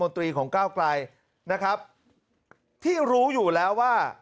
ที่รู้อยู่แล้วว่า